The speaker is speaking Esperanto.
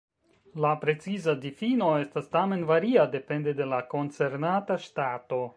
La preciza difino estas tamen varia, depende de la koncernata ŝtato.